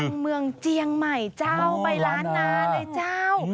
เมืองเจียงใหม่เจ้าไปล้านนาเลยเจ้า